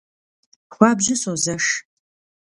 Хуабжьу созэш…